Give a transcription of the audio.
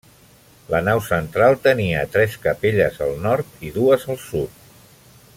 La nau central tenia tres capelles al nord i dues al sud.